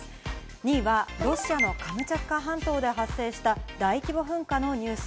２位はロシアのカムチャツカ半島で発生した大規模噴火のニュース。